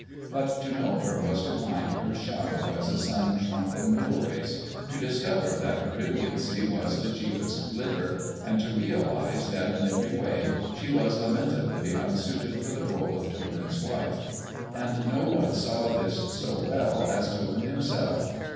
But to know her was to find her shallow as a sun shrunken mill race, to discover that her brilliancy was the cheapest glitter, and to realise that in every way she was lamentably unsuited for the role of Toppan's wife. And no one saw this so well as Toppan himself.